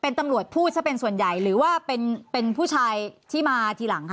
เป็นตำรวจพูดซะเป็นส่วนใหญ่หรือว่าเป็นผู้ชายที่มาทีหลังคะ